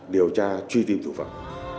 điều tra truy tìm thủ phẩm